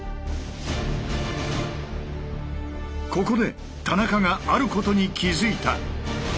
ここで田中があることに気付いた。